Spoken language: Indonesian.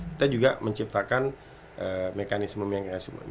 kita juga menciptakan mekanisme untuk bisa mendapatkan tanda